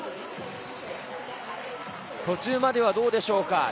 途中まではどうでしょうか。